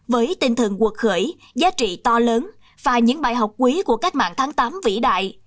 với tinh thần cuộc khởi giá trị to lớn và những bài học quý của cách mạng tháng tám vĩ đại